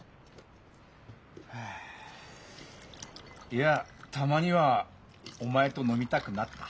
いやたまにはお前と飲みたくなった。